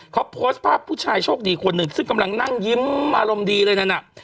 เขาโพสต์ภาพผู้ชายโชคดีคนหนึ่งซึ่งกำลังนั่งยิ้มอารมณ์ดีเลยนั่นน่ะ